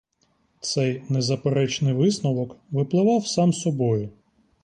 Цей незаперечний висновок випливав сам собою.